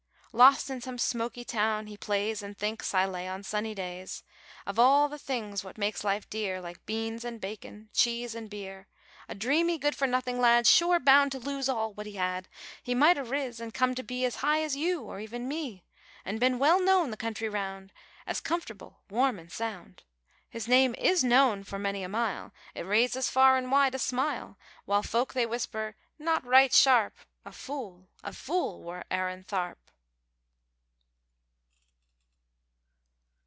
Lost in some smoky town he plays An' thinks, I lay, on sunny days, Of all the things what makes life dear Like beans and bacon, cheese and beer; A dreamy good for nothing lad, Sure bound to lose all what he had. He might a riz, an' come to be As high as you, or even me! An' bin well known the country round As comfortable, warm, an' sound. His name is known for many a mile, It raises far an' wide, a smile: While folk they whisper 'Not right sharp'! A fool! a fool! wor Aaron Tharp.